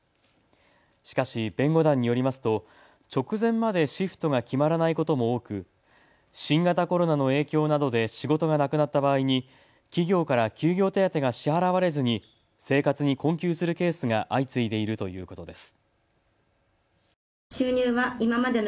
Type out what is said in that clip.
しかし弁護団によりますと直前までシフトが決まらないことも多く新型コロナの影響などで仕事がなくなった場合に企業から休業手当が支払われずに生活に困窮するケースが相次いでいるということです。